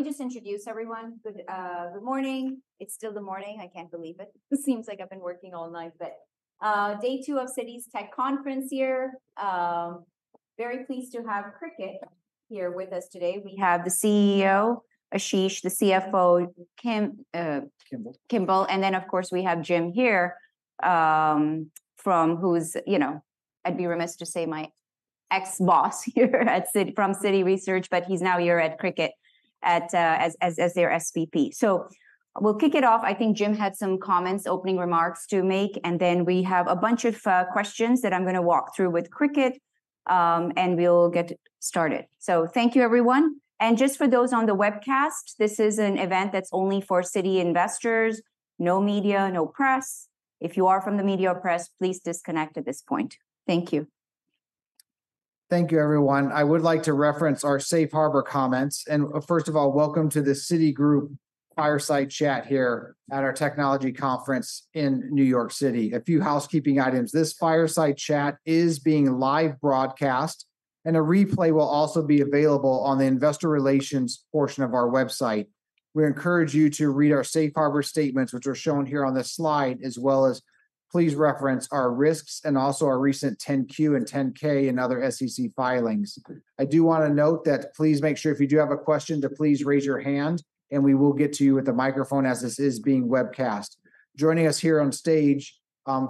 Let me just introduce everyone. Good morning. It's still the morning, I can't believe it. It seems like I've been working all night, but day two of Citi's Tech Conference here. Very pleased to have Cricut here with us today. We have the CEO, Ashish, the CFO, Kim. Kimball. Kimball, and then, of course, we have Jim here, from who's, you know, I'd be remiss to say my ex-boss here, from Citi Research, but he's now here at Cricut as their SVP. So we'll kick it off. I think Jim had some comments, opening remarks to make, and then we have a bunch of questions that I'm gonna walk through with Cricut, and we'll get started. So thank you, everyone. And just for those on the webcast, this is an event that's only for Citi investors. No media, no press. If you are from the media or press, please disconnect at this point. Thank you. Thank you, everyone. I would like to reference our safe harbor comments. First of all, welcome to the Citigroup fireside chat here at our technology conference in New York City. A few housekeeping items. This fireside chat is being live broadcast, and a replay will also be available on the investor relations portion of our website. We encourage you to read our safe harbor statements, which are shown here on this slide, as well as please reference our risks and also our recent 10-Q and 10-K and other SEC filings. I do wanna note that please make sure if you do have a question, to please raise your hand, and we will get to you with the microphone as this is being webcast. Joining us here on stage,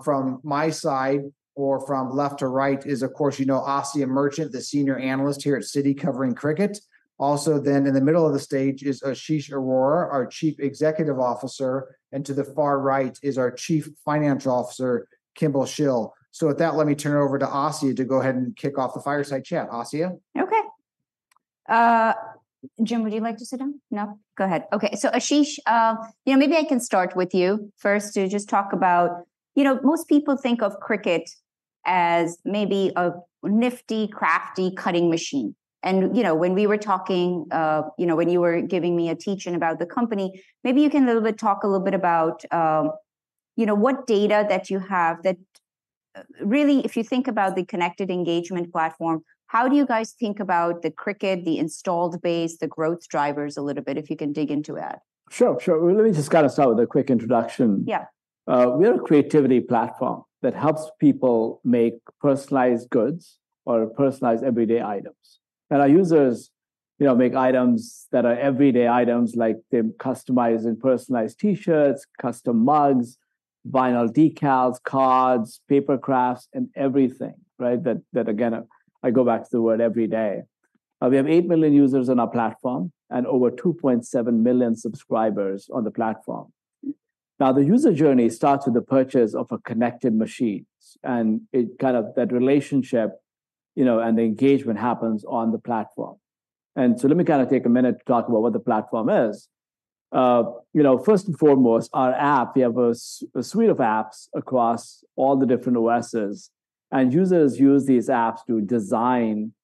from my side or from left to right is, of course, you know, Asiya Merchant, the senior analyst here at Citi, covering Cricut. Also, then in the middle of the stage is Ashish Arora, our Chief Executive Officer, and to the far right is our Chief Financial Officer, Kimball Shill. So with that, let me turn it over to Asiya to go ahead and kick off the fireside chat. Asiya? Okay. Jim, would you like to sit down? No? Go ahead. Okay. So, Ashish, you know, maybe I can start with you first to just talk about. You know, most people think of Cricut as maybe a nifty, crafty cutting machine, and, you know, when we were talking, you know, when you were giving me a teaching about the company, maybe you can a little bit, talk a little bit about, you know, what data that you have that, really, if you think about the connected engagement platform, how do you guys think about the Cricut, the installed base, the growth drivers a little bit, if you can dig into that? Sure, sure. Well, let me just kind of start with a quick introduction. Yeah. We are a creativity platform that helps people make personalized goods or personalized everyday items. Our users, you know, make items that are everyday items, like they're customizing personalized T-shirts, custom mugs, vinyl decals, cards, paper crafts, and everything, right? That, that, again, I go back to the word everyday. We have 8 million users on our platform and over 2.7 million subscribers on the platform. Now, the user journey starts with the purchase of a connected machine, and it kind of that relationship, you know, and the engagement happens on the platform. And so let me kind of take a minute to talk about what the platform is. You know, first and foremost, our app. We have a suite of apps across all the different OSes, and users use these apps to design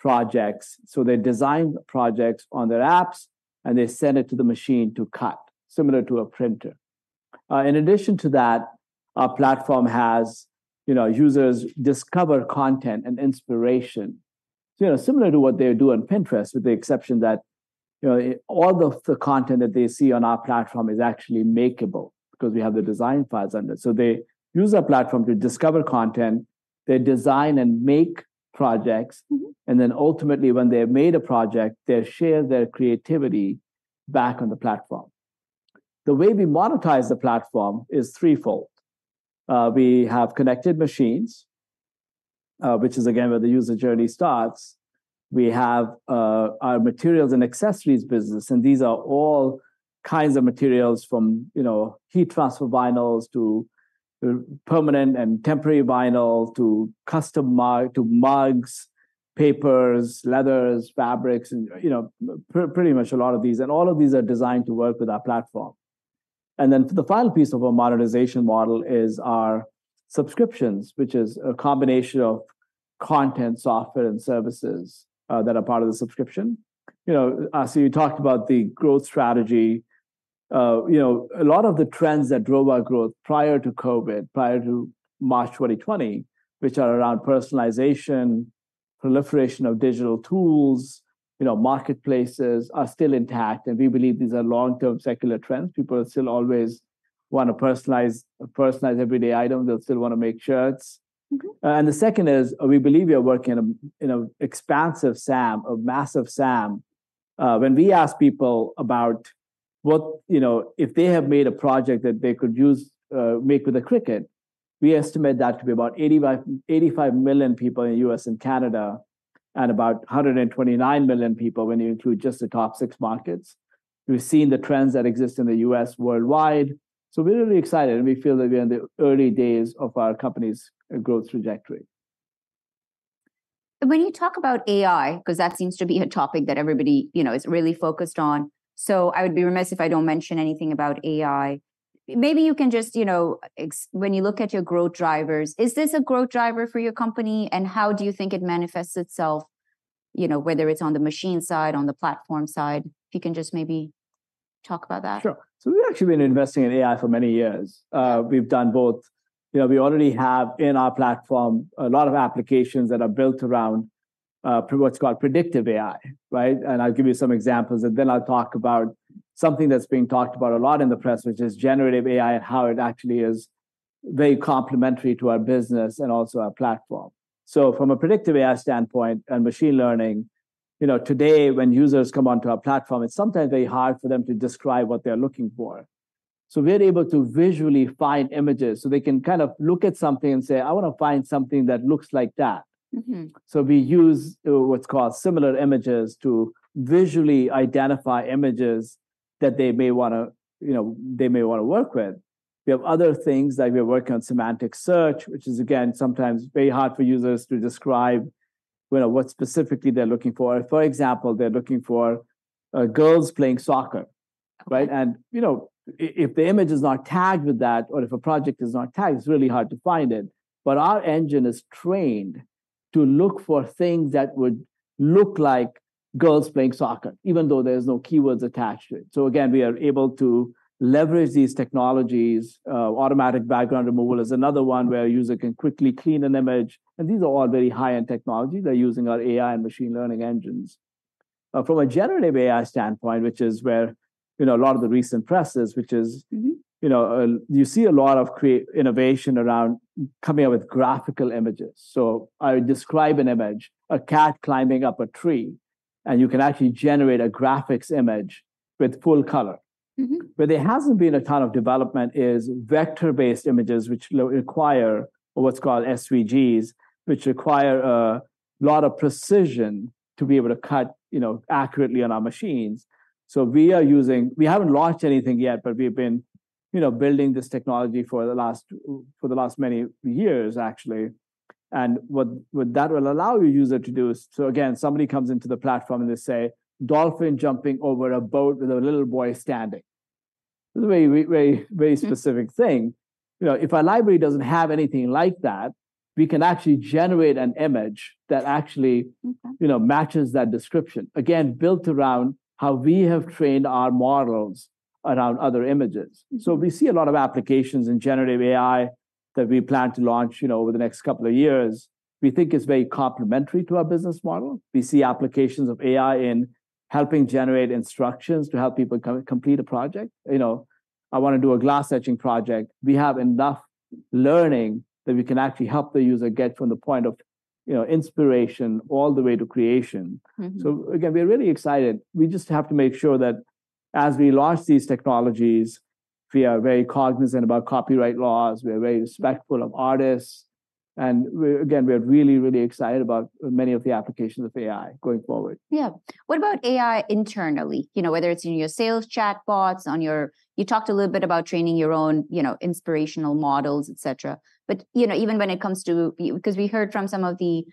projects. So they design projects on their apps, and they send it to the machine to cut, similar to a printer. In addition to that, our platform has, you know, users discover content and inspiration. You know, similar to what they do on Pinterest, with the exception that, you know, all of the content that they see on our platform is actually makeable because we have the design files under it. So they use our platform to discover content, they design and make projects, and then ultimately, when they've made a project, they share their creativity back on the platform. The way we monetize the platform is threefold. We have connected machines, which is again where the user journey starts. We have our materials and accessories business, and these are all kinds of materials from, you know, heat transfer vinyls, to permanent and temporary vinyl, to custom mugs, papers, leathers, fabrics, and, you know, pretty much a lot of these, and all of these are designed to work with our platform. Then the final piece of our monetization model is our subscriptions, which is a combination of content, software, and services that are part of the subscription. You know, Asiya, you talked about the growth strategy. You know, a lot of the trends that drove our growth prior to COVID, prior to March 2020, which are around personalization, proliferation of digital tools, you know, marketplaces, are still intact, and we believe these are long-term secular trends. People still always wanna personalize, personalize everyday items. They'll still wanna make shirts. Mm-hmm. And the second is, we believe we are working in a, in a expansive SAM, a massive SAM. When we ask people about what, you know, if they have made a project that they could use, make with a Cricut, we estimate that to be about 85, 85 million people in the U.S. and Canada, and about 129 million people when you include just the top six markets. We've seen the trends that exist in the U.S. worldwide, so we're really excited, and we feel that we're in the early days of our company's growth trajectory. When you talk about AI, 'cause that seems to be a topic that everybody, you know, is really focused on, so I would be remiss if I don't mention anything about AI. Maybe you can just, you know, when you look at your growth drivers, is this a growth driver for your company, and how do you think it manifests itself, you know, whether it's on the machine side, on the platform side? If you can just talk about that? Sure. So we've actually been investing in AI for many years. We've done both. You know, we already have in our platform a lot of applications that are built around, what's called Predictive AI, right? And I'll give you some examples, and then I'll talk about something that's being talked about a lot in the press, which is Generative AI, and how it actually is very complementary to our business and also our platform. So from a Predictive AI standpoint and Machine Learning, you know, today, when users come onto our platform, it's sometimes very hard for them to describe what they're looking for. So we're able to visually find images, so they can kind of look at something and say, "I want to find something that looks like that. Mm-hmm. So we use what's called similar images to visually identify images that they may wanna, you know, they may wanna work with. We have other things, like we are working on Semantic Search, which is, again, sometimes very hard for users to describe, you know, what specifically they're looking for. For example, they're looking for girls playing soccer, right? And, you know, if the image is not tagged with that or if a project is not tagged, it's really hard to find it. But our engine is trained to look for things that would look like girls playing soccer, even though there's no keywords attached to it. So again, we are able to leverage these technologies. Automatic background removal is another one where a user can quickly clean an image, and these are all very high-end technology. They're using our AI and Machine Learning engines. From a Generative AI standpoint, which is where, you know, a lot of the recent press is, which is, you know, you see a lot of creative innovation around coming up with graphical images. So I describe an image, a cat climbing up a tree, and you can actually generate a graphic image with full color. Mm-hmm. Where there hasn't been a ton of development is vector-based images, which require what's called SVGs, which require a lot of precision to be able to cut, you know, accurately on our machines. So we are using. We haven't launched anything yet, but we've been, you know, building this technology for the last, for the last many years, actually. And what, what that will allow a user to do is, so again, somebody comes into the platform and they say, "Dolphin jumping over a boat with a little boy standing." Very, very, very specific thing. Mm-hmm. You know, if our library doesn't have anything like that, we can actually generate an image that actually- Okay you know, matches that description. Again, built around how we have trained our models around other images. Mm-hmm. So we see a lot of applications in generative AI that we plan to launch, you know, over the next couple of years. We think it's very complementary to our business model. We see applications of AI in helping generate instructions to help people complete a project. You know, I want to do a glass etching project. We have enough learning that we can actually help the user get from the point of, you know, inspiration all the way to creation. Mm-hmm. So again, we're really excited. We just have to make sure that as we launch these technologies, we are very cognizant about copyright laws, we are very respectful of artists, and we're again, we're really, really excited about many of the applications of AI going forward. Yeah. What about AI internally? You know, whether it's in your sales chatbots, on your. You talked a little bit about training your own, you know, inspirational models, et cetera. But, you know, even when it comes to you, because we heard from some of the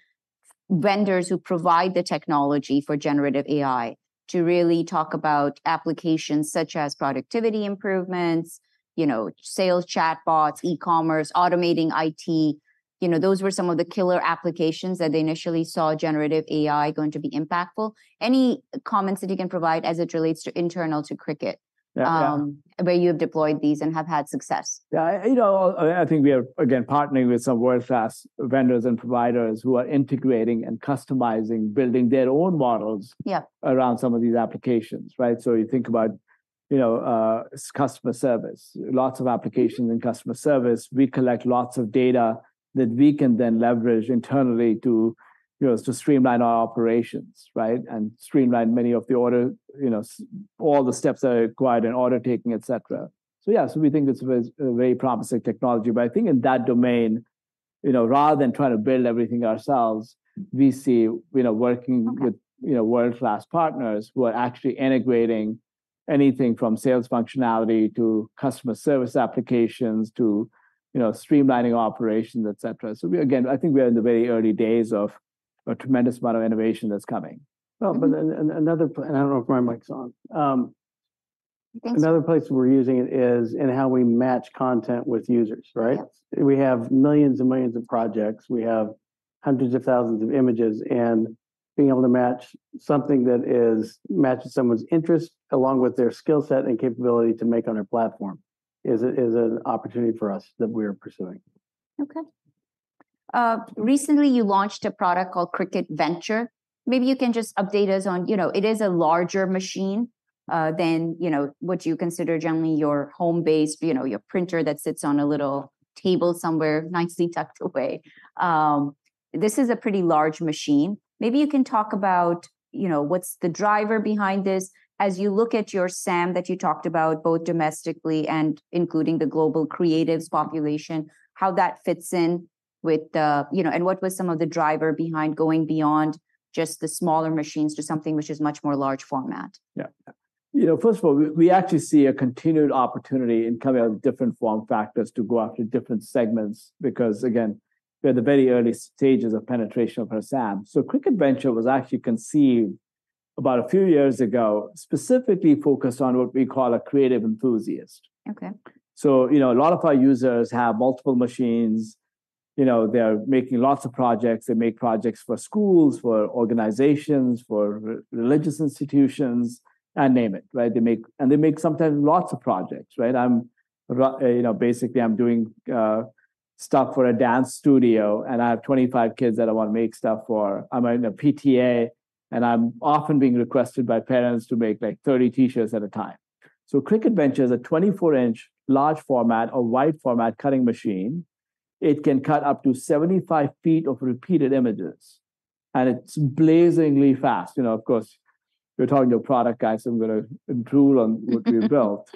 vendors who provide the technology for Generative AI to really talk about applications such as productivity improvements, you know, sales chatbots, e-commerce, automating IT. You know, those were some of the killer applications that they initially saw generative AI going to be impactful. Any comments that you can provide as it relates to internal to Cricut. Yeah, yeah Where you've deployed these and have had success? Yeah, you know, I think we are, again, partnering with some world-class vendors and providers who are integrating and customizing, building their own models- Yeah around some of these applications, right? So you think about, you know, customer service. Lots of applications in customer service. We collect lots of data that we can then leverage internally to, you know, to streamline our operations, right? And streamline many of the order, you know, all the steps that are required in order taking, et cetera. So yeah, so we think it's a very promising technology. But I think in that domain, you know, rather than trying to build everything ourselves, we see, you know, working- Okay with, you know, world-class partners who are actually integrating anything from sales functionality to customer service applications to, you know, streamlining operations, et cetera. So we again, I think we are in the very early days of a tremendous amount of innovation that's coming. Mm-hmm. Well, but then, and another and I don't know if my mic's on. Thanks. Another place we're using it is in how we match content with users, right? Yeah. We have millions and millions of projects. We have hundreds of thousands of images, and being able to match something that matches someone's interest along with their skill set and capability to make on our platform is an opportunity for us that we are pursuing. Okay. Recently you launched a product called Cricut Venture. Maybe you can just update us on, you know, it is a larger machine than, you know, what you consider generally your home-based, you know, your printer that sits on a little table somewhere, nicely tucked away. This is a pretty large machine. Maybe you can talk about, you know, what's the driver behind this? As you look at your SAM that you talked about, both domestically and including the global creatives population, how that fits in with the, you know, and what were some of the driver behind going beyond just the smaller machines to something which is much more large format? Yeah. You know, first of all, we actually see a continued opportunity in coming out with different form factors to go after different segments because, again, we're in the very early stages of penetration of our SAM. So Cricut Venture was actually conceived about a few years ago, specifically focused on what we call a creative enthusiast. Okay. So, you know, a lot of our users have multiple machines, you know, they are making lots of projects. They make projects for schools, for organizations, for religious institutions, and name it, right? They make sometimes lots of projects, right? I'm, you know, basically, I'm doing stuff for a dance studio, and I have 25 kids that I wanna make stuff for. I'm in a PTA, and I'm often being requested by parents to make, like, 30 T-shirts at a time. So Cricut Venture is a 24-in large format or wide format cutting machine. It can cut up to 75 ft of repeated images, and it's blazingly fast. You know, of course, you're talking to a product guy, so I'm gonna drool on what we've built.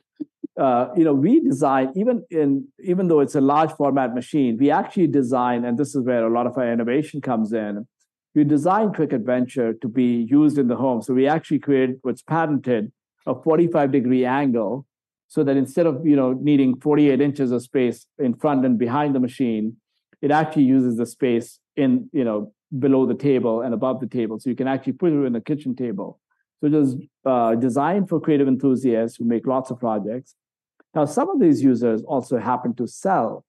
You know, we design, even in, even though it's a large format machine, we actually design, and this is where a lot of our innovation comes in, we design Cricut Venture to be used in the home. So we actually create what's patented, a 45-degree angle, so that instead of, you know, needing 48 in of space in front and behind the machine, it actually uses the space in, you know, below the table and above the table. So you can actually put it on a kitchen table. So it is designed for creative enthusiasts who make lots of projects. Now, some of these users also happen to sell,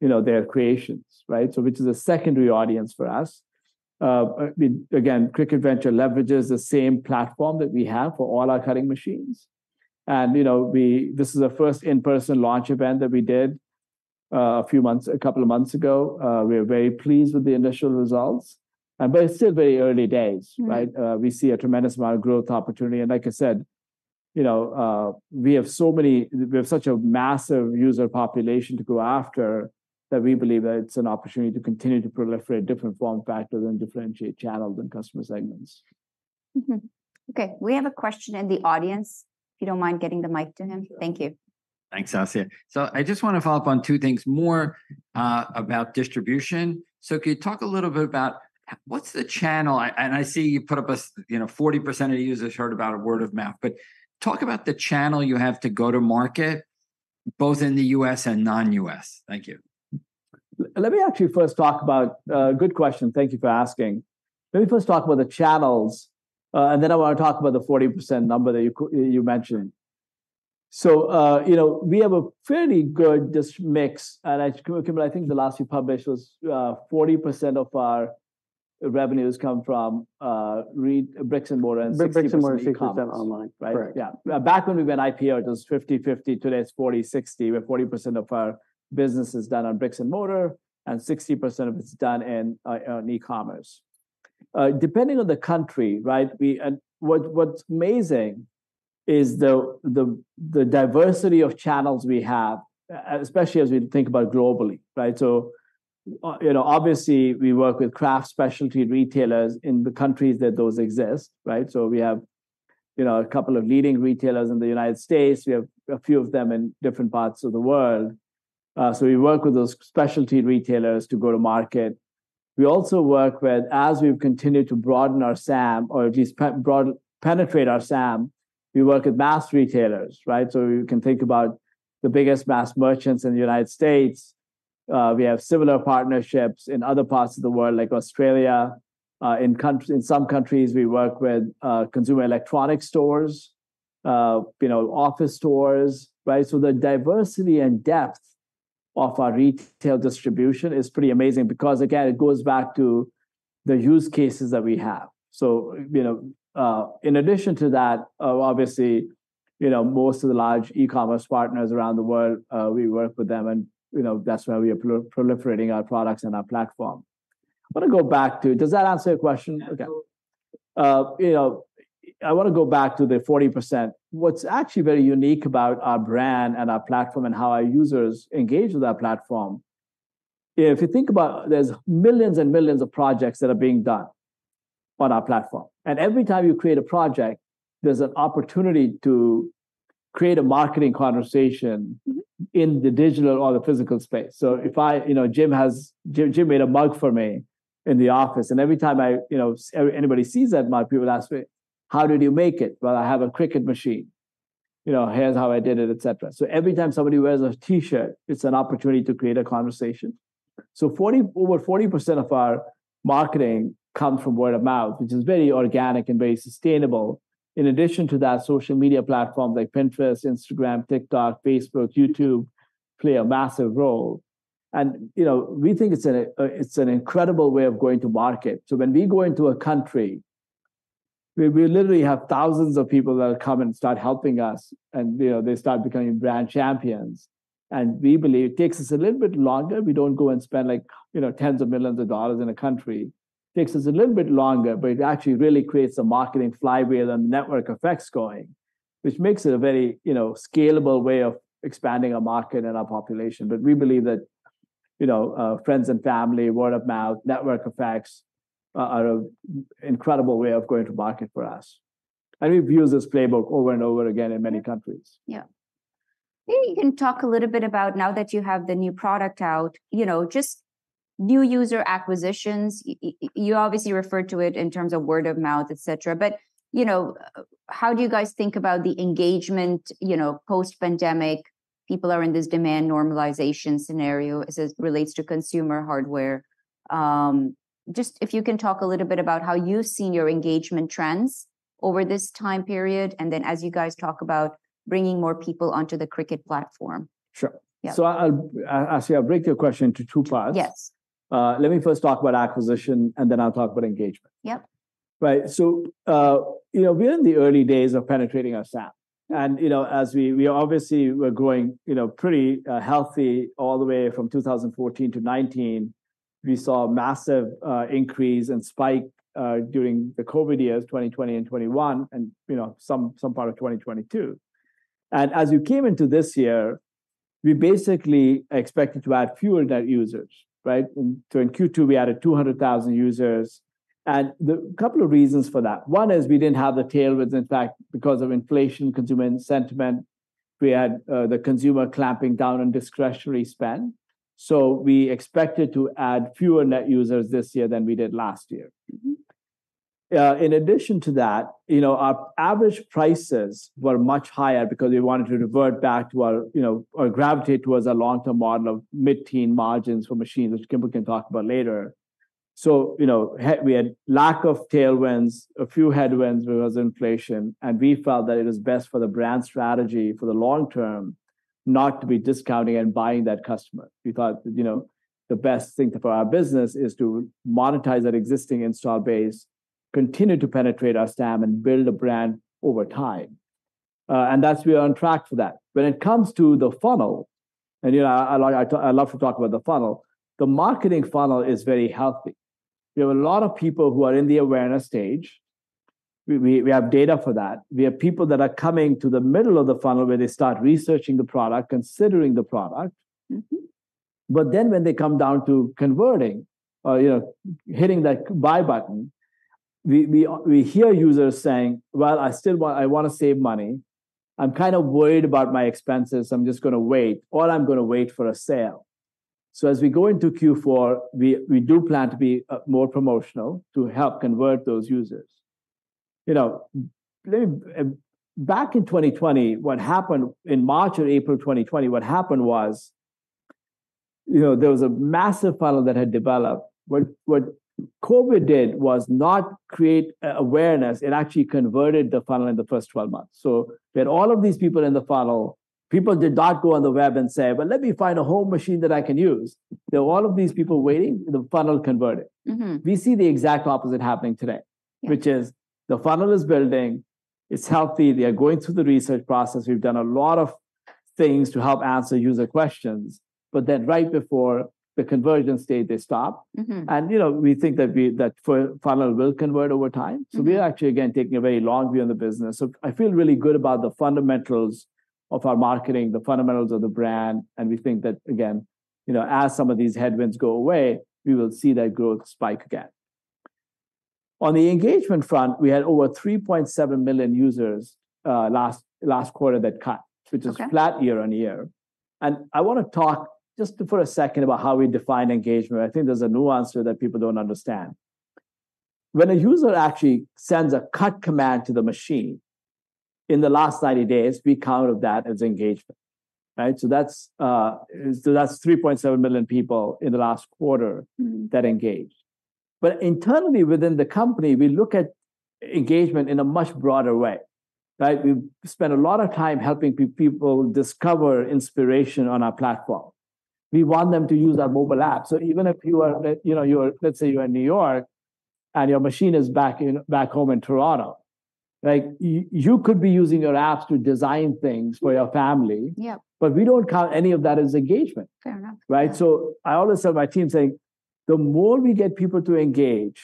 you know, their creations, right? So which is a secondary audience for us. We, again, Cricut Venture leverages the same platform that we have for all our cutting machines. You know, this is our first in-person launch event that we did, a few months, a couple of months ago. We are very pleased with the initial results, and but it's still very early days, right? Mm. We see a tremendous amount of growth opportunity, and like I said, you know, we have such a massive user population to go after, that we believe that it's an opportunity to continue to proliferate different form factors and differentiate channels and customer segments. Mm-hmm. Okay, we have a question in the audience, if you don't mind getting the mic to him. Thank you. Thanks, Asiya. So I just want to follow up on two things: more about distribution. So could you talk a little bit about what's the channel. And I see you put up a, you know, 40% of users heard about a word-of-mouth, but talk about the channel you have to go to market, both in the U.S. and non-U.S. Thank you. Let me actually first talk about. Good question. Thank you for asking. Let me first talk about the channels, and then I want to talk about the 40% number that you mentioned. So, you know, we have a fairly good distribution mix, and I, Kimball, I think the last you published was, 40% of our revenues come from bricks and mortar and 60% e-commerce. Brick-and-mortar, 60% online, correct. Right. Yeah. Back when we went IPO, it was 50/50. Today, it's 40/60, where 40% of our business is done on bricks and mortar, and 60% of it is done on e-commerce. Depending on the country, right? And what's amazing is the diversity of channels we have, especially as we think about globally, right? So, you know, obviously, we work with craft specialty retailers in the countries that those exist, right? So we have, you know, a couple of leading retailers in the United States. We have a few of them in different parts of the world. So we work with those specialty retailers to go to market. We also work with, as we've continued to broaden our SAM, or at least penetrate our SAM, we work with mass retailers, right? So you can think about the biggest mass merchants in the United States. We have similar partnerships in other parts of the world, like Australia. In some countries, we work with consumer electronic stores, you know, office stores, right? So the diversity and depth of our retail distribution is pretty amazing because, again, it goes back to the use cases that we have. So, you know, in addition to that, obviously, you know, most of the large e-commerce partners around the world, we work with them, and, you know, that's where we are proliferating our products and our platform. I want to go back to. Does that answer your question? Yeah. Okay. You know, I want to go back to the 40%. What's actually very unique about our brand and our platform and how our users engage with our platform, if you think about it, there's millions and millions of projects that are being done on our platform. And every time you create a project, there's an opportunity to create a marketing conversation in the digital or the physical space. So if I, you know, Jim made a mug for me in the office, and every time I, you know, anybody sees that mug, people ask me, "How did you make it?" "Well, I have a Cricut machine. You know, here's how I did it," etcetera. So every time somebody wears a T-shirt, it's an opportunity to create a conversation. So over 40% of our marketing come from word of mouth, which is very organic and very sustainable. In addition to that, social media platform like Pinterest, Instagram, TikTok, Facebook, YouTube, play a massive role. And, you know, we think it's an, it's an incredible way of going to market. So when we go into a country, we, we literally have thousands of people that come and start helping us, and, you know, they start becoming brand champions. And we believe it takes us a little bit longer. We don't go and spend, like, you know, tens of millions of dollars in a country. It takes us a little bit longer, but it actually really creates a marketing flywheel and network effects going, which makes it a very, you know, scalable way of expanding our market and our population. But we believe that, you know, friends and family, word of mouth, network effects, are an incredible way of going to market for us. And we've used this playbook over and over again in many countries. Yeah. Maybe you can talk a little bit about, now that you have the new product out, you know, just new user acquisitions. You obviously referred to it in terms of word of mouth, etcetera, but, you know, how do you guys think about the engagement, you know, post-pandemic? People are in this demand normalization scenario as it relates to consumer hardware. Just if you can talk a little bit about how you've seen your engagement trends over this time period, and then as you guys talk about bringing more people onto the Cricut platform. Sure. Yeah. So I'll break your question into two parts. Yes. Let me first talk about acquisition, and then I'll talk about engagement. Yep. Right. So, you know, we're in the early days of penetrating our TAM, and, you know, as we, we obviously were growing, you know, pretty healthy all the way from 2014 to 2019. We saw a massive increase and spike during the COVID years, 2020 and 2021, and, you know, some, some part of 2022. And as we came into this year, we basically expected to add fewer net users, right? So in Q2, we added 200,000 users, and there are a couple of reasons for that. One is we didn't have the tailwinds impact because of inflation, consumer sentiment. We had the consumer clamping down on discretionary spend, so we expected to add fewer net users this year than we did last year. Mm-hmm. In addition to that, you know, our average prices were much higher because we wanted to revert back to our, you know, or gravitate towards our long-term model of mid-teen margins for machines, which Kimball can talk about later. So, you know, we had lack of tailwinds, a few headwinds, there was inflation, and we felt that it was best for the brand strategy for the long term not to be discounting and buying that customer. We thought, you know, the best thing for our business is to monetize that existing install base, continue to penetrate our TAM, and build a brand over time. And that's we are on track for that. When it comes to the funnel, and, you know, I like, I, I love to talk about the funnel. The marketing funnel is very healthy. We have a lot of people who are in the awareness stage. We have data for that. We have people that are coming to the middle of the funnel, where they start researching the product, considering the product. Mm-hmm. But then, when they come down to converting or, you know, hitting that buy button, we hear users saying: "Well, I still want- I want to save money. I'm kind of worried about my expenses. I'm just gonna wait, or I'm gonna wait for a sale." So as we go into Q4, we do plan to be more promotional to help convert those users. You know, back in 2020, what happened in March or April 2020, what happened was, you know, there was a massive funnel that had developed. What COVID did was not create awareness, it actually converted the funnel in the first 12 months. So we had all of these people in the funnel. People did not go on the web and say, "Well, let me find a home machine that I can use." There were all of these people waiting. The funnel converted. Mm-hmm. We see the exact opposite happening today. Yeah Which is the funnel is building, it's healthy. They are going through the research process. We've done a lot of things to help answer user questions, but then right before the conversion stage, they stop. Mm-hmm. You know, we think that funnel will convert over time. Mm-hmm. So we are actually, again, taking a very long view on the business. So I feel really good about the fundamentals of our marketing, the fundamentals of the brand, and we think that, again, you know, as some of these headwinds go away, we will see that growth spike again. On the engagement front, we had over 3.7 million users last quarter that cut- Okay which is flat year-over-year. I want to talk just for a second about how we define engagement. I think there's a nuance to it that people don't understand. When a user actually sends a cut command to the machine, in the last 90 days, we counted that as engagement, right? So that's 3.7 million people in the last quarter- Mm-hmm that engaged. But internally, within the company, we look at engagement in a much broader way, right? We've spent a lot of time helping people discover inspiration on our platform. We want them to use our mobile app. So even if you are, you know, let's say you're in New York and your machine is back home in Toronto, like, you could be using your apps to design things for your family. Yep. But we don't count any of that as engagement. Fair enough. Right? So I always tell my team, saying: "The more we get people to engage,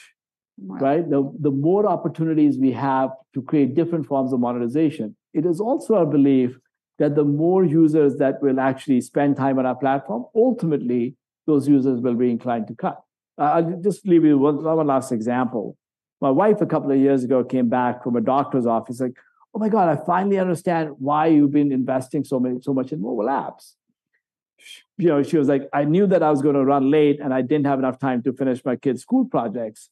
right- Wow! the more opportunities we have to create different forms of monetization. It is also our belief that the more users that will actually spend time on our platform, ultimately, those users will be inclined to cut. I'll just leave you with one last example. My wife, a couple of years ago, came back from a doctor's office like, "Oh, my God, I finally understand why you've been investing so much in mobile apps." She, you know, was like: "I knew that I was gonna run late, and I didn't have enough time to finish my kids' school projects.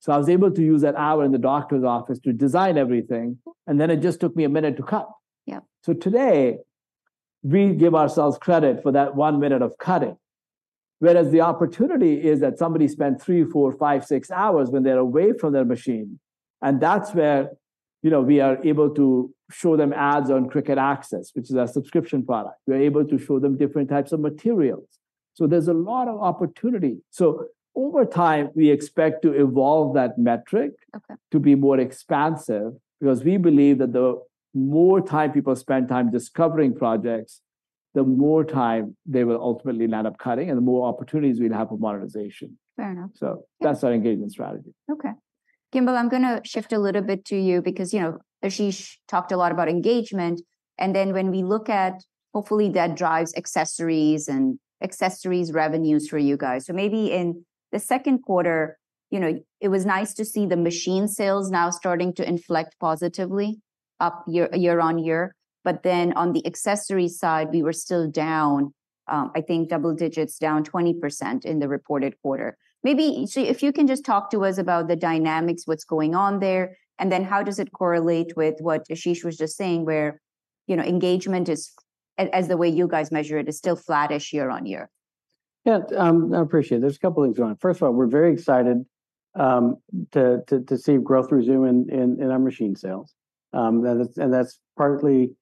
So I was able to use that hour in the doctor's office to design everything, and then it just took me a minute to cut. Yep. So today, we give ourselves credit for that one minute of cutting, whereas the opportunity is that somebody spent three, four, five, six hours when they're away from their machine, and that's where, you know, we are able to show them ads on Cricut Access, which is our subscription product. We're able to show them different types of materials, so there's a lot of opportunity. So over time, we expect to evolve that metric- Okay to be more expansive because we believe that the more time people spend time discovering projects, the more time they will ultimately end up cutting and the more opportunities we'll have for monetization. Fair enough. So- Yeah that's our engagement strategy. Okay. Kimball, I'm gonna shift a little bit to you because, you know, Ashish talked a lot about engagement, and then when we look at, hopefully, that drives accessories and accessories revenues for you guys. So maybe in the second quarter, you know, it was nice to see the machine sales now starting to inflect positively up year-over-year. But then on the accessories side, we were still down, I think double digits, down 20% in the reported quarter. Maybe, so if you can just talk to us about the dynamics, what's going on there, and then how does it correlate with what Ashish was just saying, where, you know, engagement is, as the way you guys measure it, is still flattish year-over-year. Yeah, I appreciate it. There's a couple of things going on. First of all, we're very excited to see growth resume in our machine sales. And that's partly,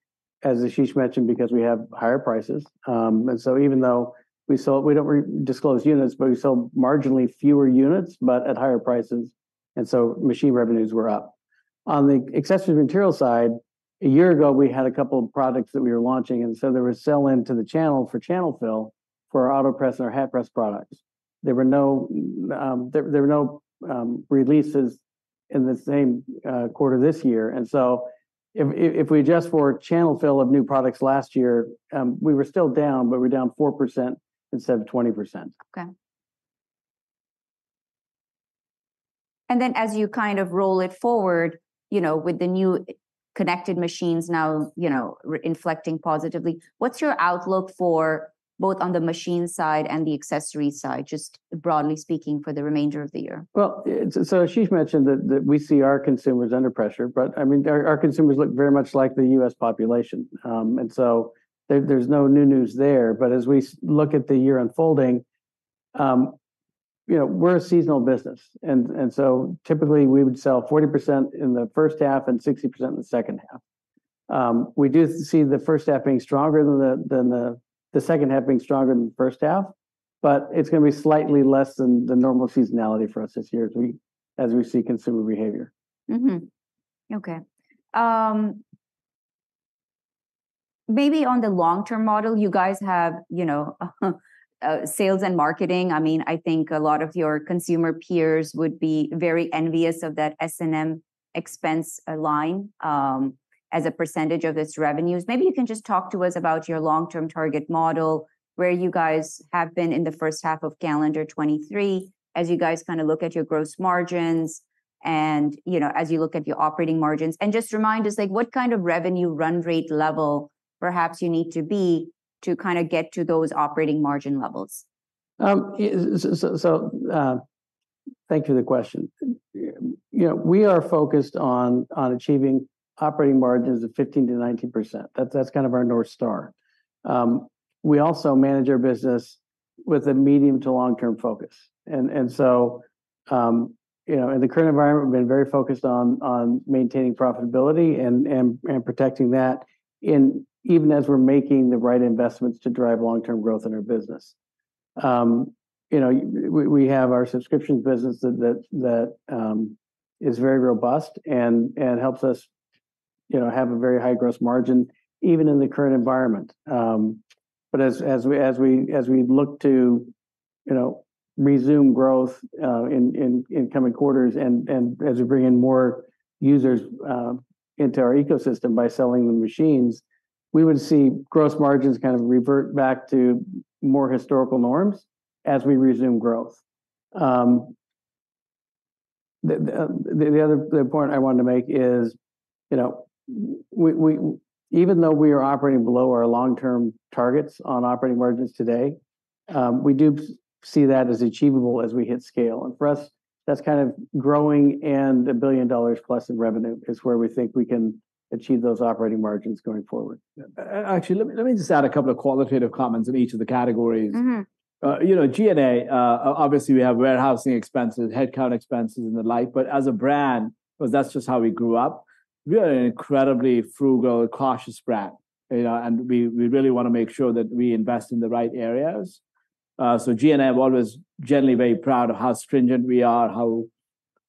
as Ashish mentioned, because we have higher prices. And so even though we sold—we don't re-disclose units, but we sold marginally fewer units, but at higher prices, and so machine revenues were up. On the accessories material side, a year ago, we had a couple of products that we were launching, and so there was sell-in to the channel for channel fill for our Autopress and our Hat Press products. There were no releases in the same quarter this year. And so if we adjust for channel fill of new products last year, we were still down, but we're down 4% instead of 20%. Okay. And then, as you kind of roll it forward, you know, with the new connected machines now, you know, reinflecting positively, what's your outlook for both on the machine side and the accessories side, just broadly speaking, for the remainder of the year? Well, so Ashish mentioned that, that we see our consumers under pressure, but, I mean, our, our consumers look very much like the U.S. population. And so there, there's no new news there. But as we look at the year unfolding, you know, we're a seasonal business and, and so typically we would sell 40% in the first half and 60% in the second half. We do see the first half being stronger than the, than the second half being stronger than the first half, but it's gonna be slightly less than the normal seasonality for us this year as we, as we see consumer behavior. Mm-hmm. Okay. Maybe on the long-term model, you guys have, you know, sales and marketing. I mean, I think a lot of your consumer peers would be very envious of that S&M expense line, as a percentage of its revenues. Maybe you can just talk to us about your long-term target model, where you guys have been in the first half of calendar 2023, as you guys kind of look at your gross margins and, you know, as you look at your operating margins. And just remind us, like, what kind of revenue run rate level perhaps you need to be to kind of get to those operating margin levels? So, thank you for the question. You know, we are focused on achieving operating margins of 15%-19%. That's kind of our North Star. We also manage our business with a medium to long-term focus. And so, you know, in the current environment, we've been very focused on maintaining profitability and protecting that even as we're making the right investments to drive long-term growth in our business. You know, we have our subscriptions business that is very robust and helps us, you know, have a very high gross margin, even in the current environment. But as we look to, you know, resume growth in coming quarters and as we bring in more users into our ecosystem by selling them machines, we would see gross margins kind of revert back to more historical norms as we resume growth. The other point I wanted to make is, you know, even though we are operating below our long-term targets on operating margins today, we do see that as achievable as we hit scale. And for us, that's kind of growing and $1 billion+ in revenue, is where we think we can achieve those operating margins going forward. Actually, let me just add a couple of qualitative comments in each of the categories. Mm-hmm. You know, G&A, obviously, we have warehousing expenses, headcount expenses, and the like, but as a brand, because that's just how we grew up, we are an incredibly frugal, cautious brand, you know, and we really wanna make sure that we invest in the right areas. So G&A, I'm always generally very proud of how stringent we are, how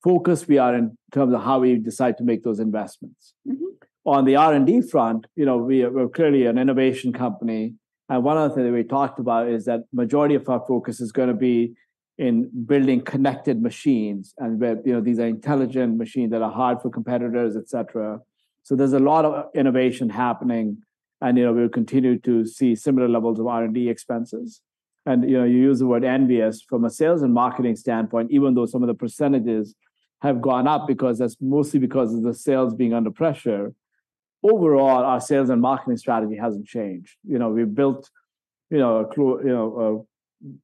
focused we are in terms of how we decide to make those investments. Mm-hmm. On the R&D front, you know, we're clearly an innovation company, and one of the things we talked about is that majority of our focus is gonna be in building connected machines and where, you know, these are intelligent machines that are hard for competitors, et cetera. So there's a lot of innovation happening, and, you know, we'll continue to see similar levels of R&D expenses. And, you know, you use the word envious from a sales and marketing standpoint, even though some of the percentages have gone up, because that's mostly because of the sales being under pressure. Overall, our sales and marketing strategy hasn't changed. You know, we've built, you know,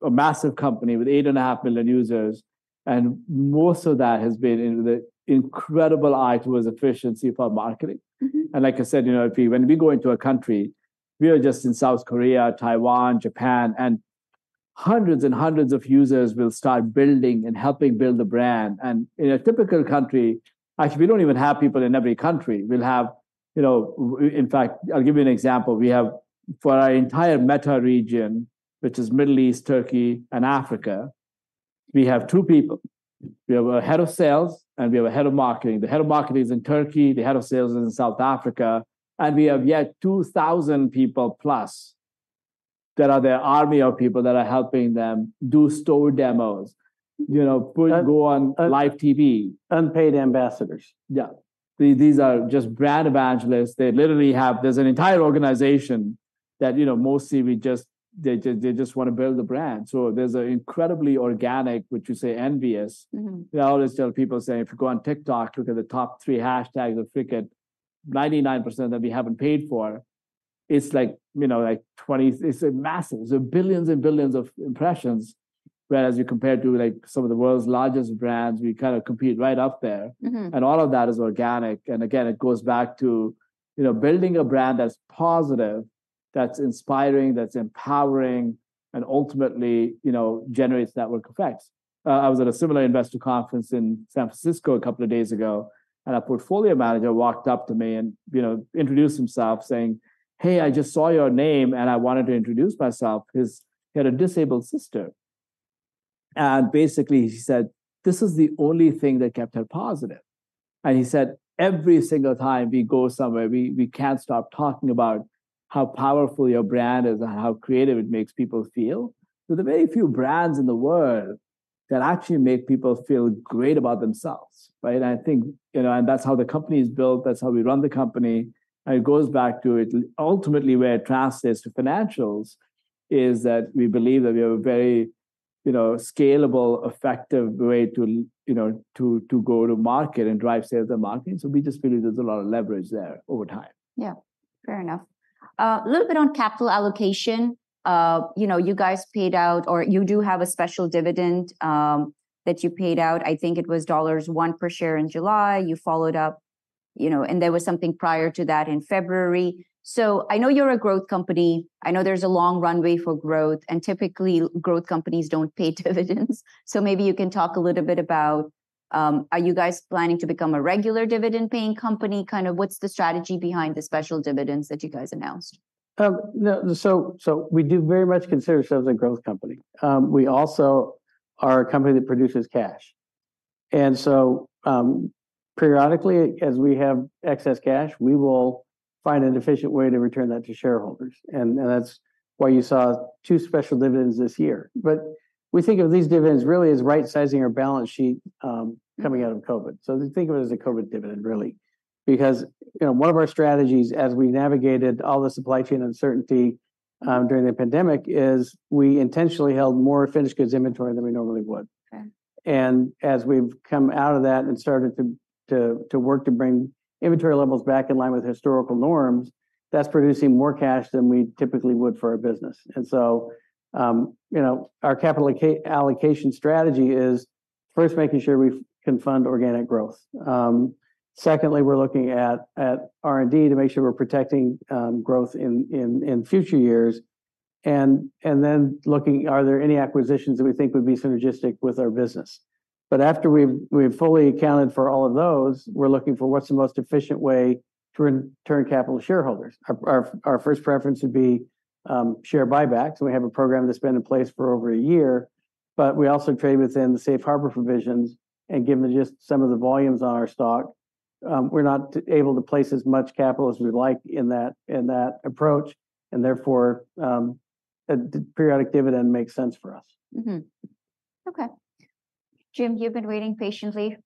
a massive company with 8.5 million users, and most of that has been in the incredible eye towards efficiency for marketing. Mm-hmm. And like I said, you know, if when we go into a country, we are just in South Korea, Taiwan, Japan, and hundreds and hundreds of users will start building and helping build the brand. And in a typical country, actually, we don't even have people in every country. We'll have, you know, in fact, I'll give you an example. We have, for our entire META region, which is Middle East, Turkey, and Africa, we have two people. We have a head of sales, and we have a head of marketing. The head of marketing is in Turkey, the head of sales is in South Africa, and we have yet 2,000 people plus, that are the army of people that are helping them do store demos, you know, put- And- -go on live TV. Unpaid ambassadors. Yeah. These are just brand evangelists. They literally have. There's an entire organization that, you know, mostly we just, they just wanna build the brand. So there's an incredibly organic, which you say, envious. Mm-hmm. I always tell people, say, "If you go on TikTok, look at the top three hashtags of Cricut, 99% that we haven't paid for—it's like, you know, like 20, it's massive. So billions and billions of impressions, whereas you compare to, like, some of the world's largest brands, we kinda compete right up there. Mm-hmm. All of that is organic, and again, it goes back to, you know, building a brand that's positive, that's inspiring, that's empowering, and ultimately, you know, generates network effects. I was at a similar investor conference in San Francisco a couple of days ago, and a portfolio manager walked up to me and, you know, introduced himself, saying, "Hey, I just saw your name, and I wanted to introduce myself," 'cause he had a disabled sister. And basically, he said, "This is the only thing that kept her positive." And he said, "Every single time we go somewhere, we can't stop talking about how powerful your brand is and how creative it makes people feel." So there are very few brands in the world that actually make people feel great about themselves, right? And I think, you know, and that's how the company is built, that's how we run the company, and it goes back to ultimately, where it translates to financials, is that we believe that we have a very, you know, scalable, effective way to, you know, to, to go to market and drive sales and marketing. So we just believe there's a lot of leverage there over time. Yeah. Fair enough. A little bit on capital allocation. You know, you guys paid out, or you do have a special dividend, that you paid out. I think it was $1 per share in July. You followed up, you know, and there was something prior to that in February. So I know you're a growth company, I know there's a long runway for growth, and typically, growth companies don't pay dividends. So maybe you can talk a little bit about, are you guys planning to become a regular dividend-paying company? Kind of what's the strategy behind the special dividends that you guys announced? No, so we do very much consider ourselves a growth company. We also are a company that produces cash. And so, periodically, as we have excess cash, we will find an efficient way to return that to shareholders, and that's why you saw two special dividends this year. But we think of these dividends really as right-sizing our balance sheet, coming out of COVID. So think of it as a COVID dividend, really. Because, you know, one of our strategies as we navigated all the supply chain uncertainty, during the pandemic, is we intentionally held more finished goods inventory than we normally would. Okay. As we've come out of that and started to work to bring inventory levels back in line with historical norms, that's producing more cash than we typically would for our business. And so, you know, our capital allocation strategy is first making sure we can fund organic growth. Secondly, we're looking at R&D to make sure we're protecting growth in future years, and then looking, are there any acquisitions that we think would be synergistic with our business? But after we've fully accounted for all of those, we're looking for what's the most efficient way to return capital to shareholders. Our first preference would be share buybacks, and we have a program that's been in place for over a year, but we also trade within the Safe Harbor provisions, and given just some of the volumes on our stock, we're not able to place as much capital as we'd like in that approach, and therefore, a periodic dividend makes sense for us. Mm-hmm. Okay. Jim, you've been waiting patiently,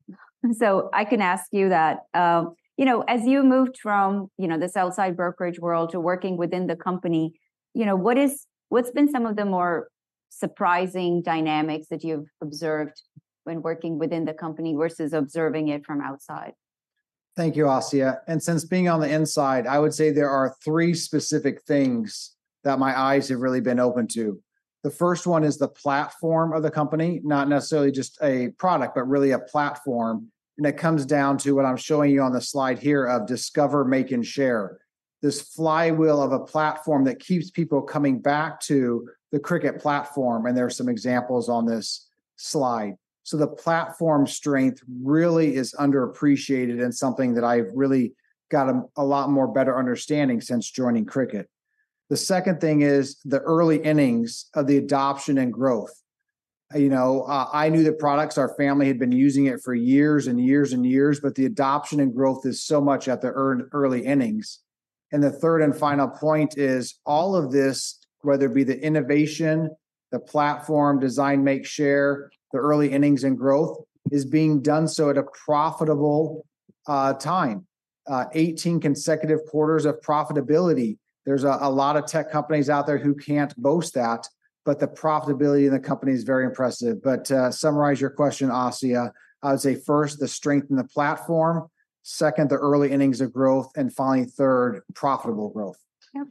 so I can ask you that. You know, as you moved from, you know, the sell-side brokerage world to working within the company, you know, what is—what's been some of the more surprising dynamics that you've observed when working within the company versus observing it from outside? Thank you, Asiya. Since being on the inside, I would say there are three specific things that my eyes have really been opened to. The first one is the platform of the company, not necessarily just a product, but really a platform, and it comes down to what I'm showing you on the slide here of discover, make, and share. This flywheel of a platform that keeps people coming back to the Cricut platform, and there are some examples on this slide. So the platform strength really is underappreciated and something that I've really got a, a lot more better understanding since joining Cricut. The second thing is the early innings of the adoption and growth. You know, I knew the products. Our family had been using it for years and years and years, but the adoption and growth is so much at the early innings. And the third and final point is all of this, whether it be the innovation, the platform, design, make, share, the early innings and growth, is being done so at a profitable time. 18 consecutive quarters of profitability. There's a lot of tech companies out there who can't boast that, but the profitability in the company is very impressive. But, to summarize your question, Asiya, I would say, first, the strength in the platform. Second, the early innings of growth. And finally, third, profitable growth. Yeah.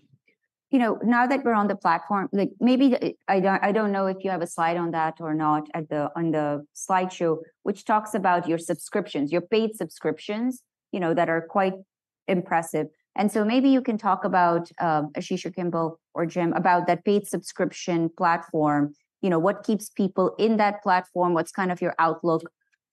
You know, now that we're on the platform, like, maybe I don't know if you have a slide on that or not on the slideshow, which talks about your subscriptions, your paid subscriptions, you know, that are quite impressive. And so maybe you can talk about Ashish or Kimball or Jim about that paid subscription platform. You know, what keeps people in that platform? What's kind of your outlook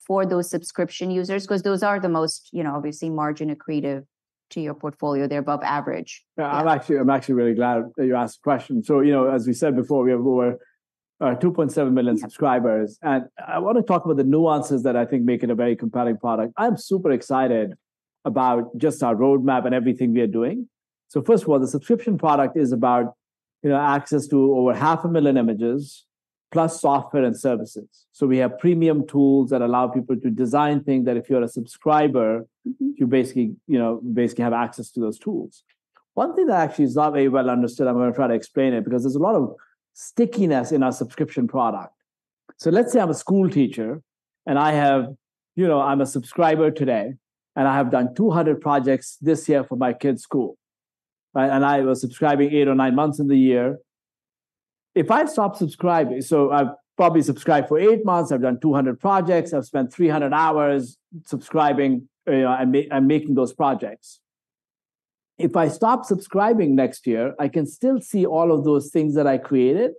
for those subscription users? Because those are the most, you know, obviously margin accretive to your portfolio. They're above average. Yeah, I'm actually really glad that you asked the question. So, you know, as we said before, we have over 2.7 million subscribers, and I want to talk about the nuances that I think make it a very compelling product. I'm super excited about just our roadmap and everything we are doing. So first of all, the subscription product is about, you know, access to over 500,000 images, plus software and services. So we have premium tools that allow people to design things, that if you're a subscriber, you basically, you know, basically have access to those tools. One thing that actually is not very well understood, I'm gonna try to explain it, because there's a lot of stickiness in our subscription product. So let's say I'm a school teacher, and I have, you know, I'm a subscriber today, and I have done 200 projects this year for my kids' school, right? And I was subscribing 8 or 9 months in the year. If I stop subscribing, so I've probably subscribed for eight months, I've done 200 projects, I've spent 300 hours subscribing, and making those projects. If I stop subscribing next year, I can still see all of those things that I created.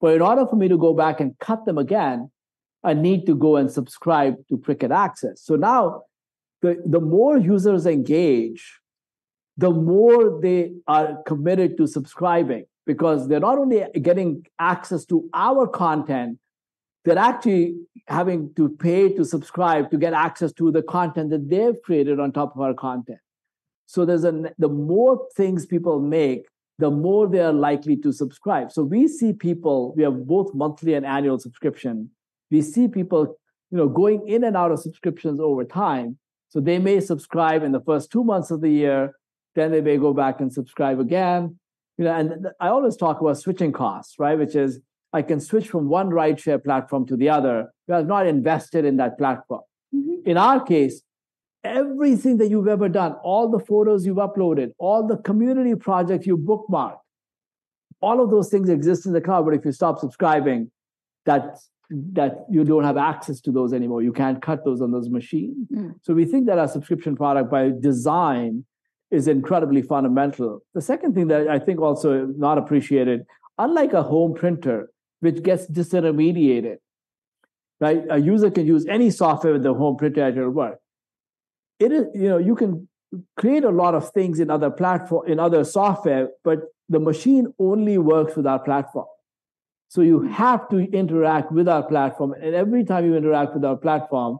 But in order for me to go back and cut them again, I need to go and subscribe to Cricut Access. So now, the more users engage, the more they are committed to subscribing, because they're not only getting access to our content, they're actually having to pay to subscribe to get access to the content that they've created on top of our content. So the more things people make, the more they're likely to subscribe. So we see people—we have both monthly and annual subscription. We see people, you know, going in and out of subscriptions over time. So they may subscribe in the first two months of the year, then they may go back and subscribe again. You know, and I always talk about switching costs, right? Which is, I can switch from one rideshare platform to the other. We have not invested in that platform. Mm-hmm. In our case, everything that you've ever done, all the photos you've uploaded, all the community projects you've bookmarked, all of those things exist in the cloud. But if you stop subscribing, that's, that you don't have access to those anymore. You can't cut those on those machines. Mm. So we think that our subscription product, by design, is incredibly fundamental. The second thing that I think also not appreciated, unlike a home printer, which gets disintermediated, right? A user can use any software with a home printer at your work. It is. You know, you can create a lot of things in other platform, in other software, but the machine only works with our platform. So you have to interact with our platform, and every time you interact with our platform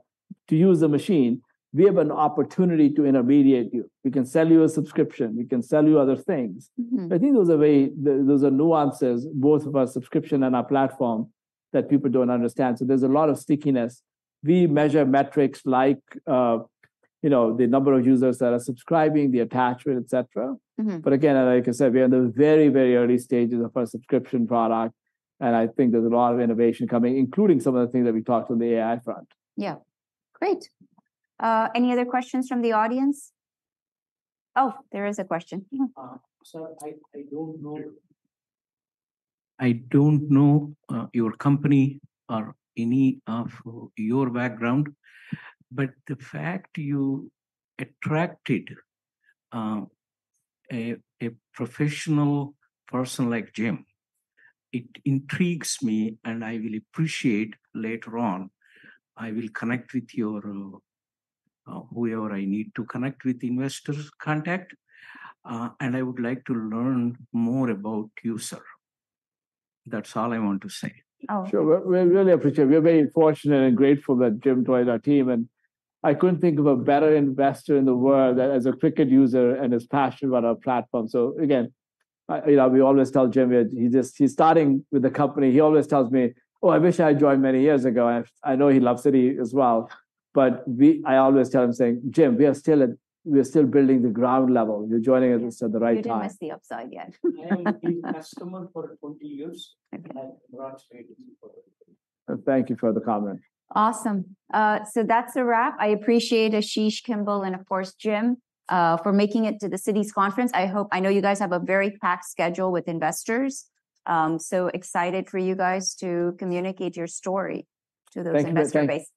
to use the machine, we have an opportunity to intermediate you. We can sell you a subscription, we can sell you other things. Mm-hmm. I think those are nuances, both of our subscription and our platform, that people don't understand. So there's a lot of stickiness. We measure metrics like, you know, the number of users that are subscribing, the attachment, et cetera. Mm-hmm. But again, like I said, we are in the very, very early stages of our subscription product, and I think there's a lot of innovation coming, including some of the things that we talked on the AI front. Yeah, great. Any other questions from the audience? Oh, there is a question. So I don't know your company or any of your background, but the fact you attracted a professional person like Jim, it intrigues me, and I will appreciate later on. I will connect with your whoever I need to connect with investors contact, and I would like to learn more about you, sir. That's all I want to say. Oh- Sure. We really appreciate it. We are very fortunate and grateful that Jim joined our team, and I couldn't think of a better investor in the world as a Cricut user and his passion about our platform. So again, you know, we always tell Jim that he just—he's starting with the company. He always tells me, "Oh, I wish I had joined many years ago." I know he loves it as well, but I always tell him, saying, "Jim, we are still at—we are still building the ground level. You're joining us at the right time. You didn't miss the upside yet. I am a big customer for 20 years- Okay. I'm excited to see more. Thank you for the comment. Awesome. So that's a wrap. I appreciate Ashish, Kimball, and of course, Jim, for making it to the Citi Conference. I hope, I know you guys have a very packed schedule with investors. So excited for you guys to communicate your story to those investor base.